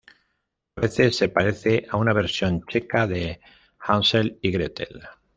A veces, se parece a una versión checa de "Hansel y Gretel".